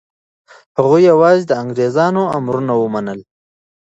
هغه یوازې د انګریزانو امرونه منل.